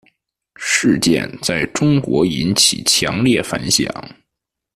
事件在中国引起强烈反响。